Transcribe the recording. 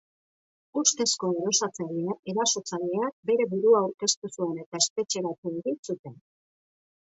Ustezko erasotzaileak bere burua aurkeztu zuen, eta espetxeratu egin zuten.